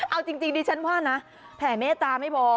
เอาจริงดิฉันว่านะแผ่เมตตาไม่พอ